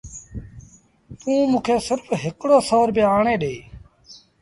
توݩ موݩ کي سرڦ هڪڙو سو روپيآ آڻي ڏي